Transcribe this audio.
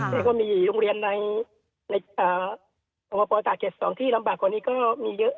แล้วก็มีโรงเรียนในสวพปตาเกียรติสองที่ลำบากกว่านี้ก็มีเยอะ